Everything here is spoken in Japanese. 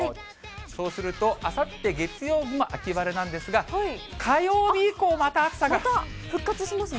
そうすると、あさって月曜日も秋晴れなんですが、火曜日以降、また暑さが。復活しますね。